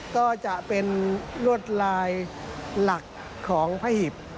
ก็จะเป็นลวดลายหลักของพระหีบ